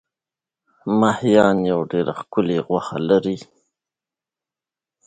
دوی بیرته اوبه نیولې دي.